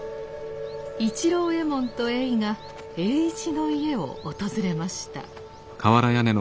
市郎右衛門とゑいが栄一の家を訪れました。